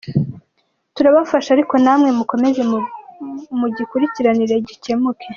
Turabafasha ariko namwe mukomeze mugikurikirane gikemuke.